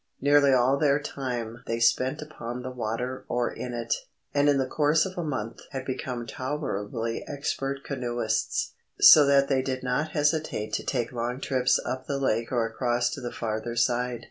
Nearly all their time they spent upon the water or in it, and in the course of a month had become tolerably expert canoeists, so that they did not hesitate to take long trips up the lake or across to the farther side.